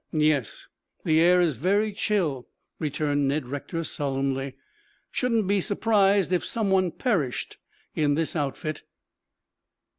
"Yes, the air is very chill," returned Ned Rector solemnly. "Shouldn't be surprised if some one perished in this outfit."